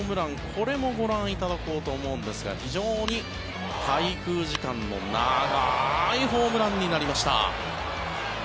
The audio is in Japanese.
これもご覧いただこうと思うんですが非常に滞空時間の長いホームランになりました。